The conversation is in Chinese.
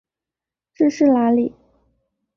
这是哪里？